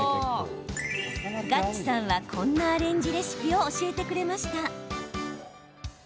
がっちさんはこんなアレンジレシピを教えてくれました。